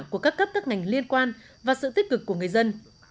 của các cấp các ngành liên quan và sự tích cực của người dân